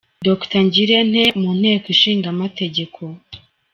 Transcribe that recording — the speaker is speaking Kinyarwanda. Dr Ngirente mu Nteko Ishinga Amategeko.